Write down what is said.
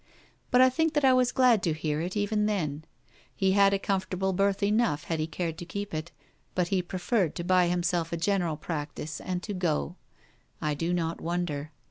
But I think that I was glad to hear it, even then. He had a comfortable berth enough had he cared to keep it; but he preferred to buy himself a general practice and to go. I do not wonder.